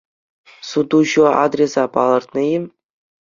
Сутуҫӑ адреса палӑртнӑ-и?